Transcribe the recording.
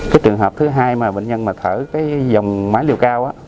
cái trường hợp thứ hai mà bệnh nhân thở cái dòng máy liều cao á